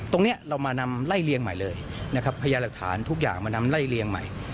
ตรงนี้เรามานำไล่เลียงใหม่เลยนะครับพญาหลักฐานทุกอย่างมานำไล่เลียงใหม่